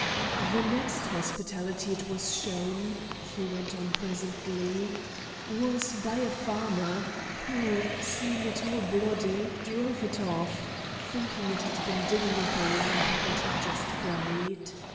"The next hospitality it was shown," he went on presently, "was by a farmer, who, seeing it all bloody, drove it off, thinking it had been digging up a lamb that he'd just buried.